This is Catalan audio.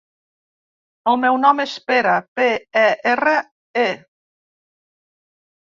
El meu nom és Pere: pe, e, erra, e.